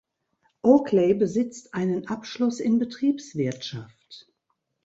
Oakley besitzt einen Abschluss in Betriebswirtschaft.